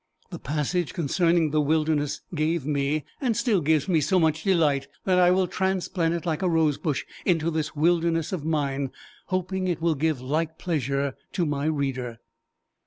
The passage concerning the wilderness, gave me, and still gives me so much delight, that I will transplant it like a rose bush into this wilderness of mine, hoping it will give like pleasure to my reader.